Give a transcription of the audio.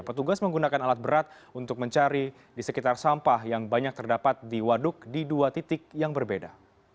petugas menggunakan alat berat untuk mencari di sekitar sampah yang banyak terdapat di waduk di dua titik yang berbeda